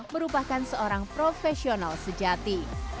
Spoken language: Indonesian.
merupakan seorang profesional sejati